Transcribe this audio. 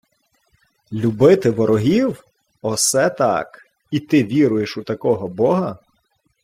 — Любити ворогів! Осе так! І ти віруєш у такого бога?